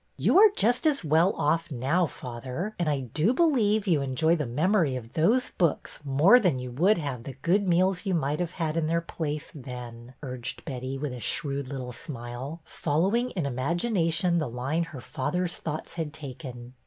You are just as well off now, father, and I do believe you enjoy the memory of those books more than you would have the good meals you might have had in their place then," urged Betty, with a shrewd little smile, following in imagina tion the line her father's thoughts had taken.